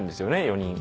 ４人。